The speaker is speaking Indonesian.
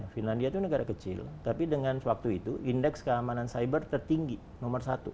finlandia itu negara kecil tapi dengan waktu itu indeks keamanan cyber tertinggi nomor satu